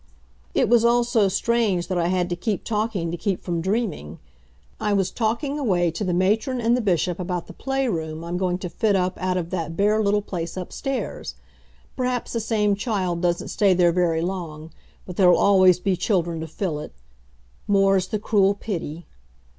It was all so strange that I had to keep talking to keep from dreaming. I was talking away to the matron and the Bishop about the play room I'm going to fit up out of that bare little place upstairs. Perhaps the same child doesn't stay there very long, but there'll always be children to fill it more's the cruel pity!